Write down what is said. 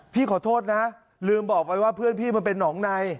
พี่ขอโทษนะลืมบอกไว้ว่าเพื่อนพี่มันเป็นหนองใน